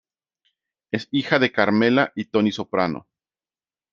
Es hija de Carmela y Tony Soprano.